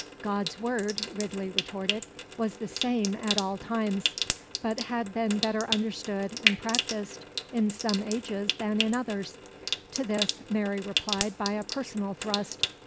God's word, Ridley retorted, was the same at all times, but had been better understood and practised in some ages than in others. To this Mary replied by a personal thrust.